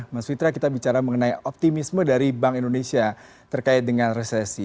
mas fitra kita bicara mengenai optimisme dari bank indonesia terkait dengan resesi